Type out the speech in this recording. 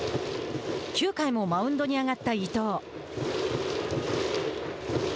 ９回もマウンドに上がった伊藤。